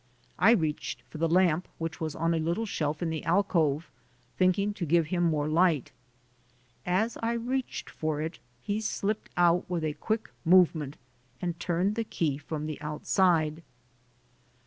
I reached for the lamp, which was on a little shelf in the alcove, thinking to give him more light. As I reached for it, he slipped out with a quick movement and turned the key from the outside.